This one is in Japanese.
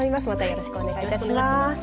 よろしくお願いします。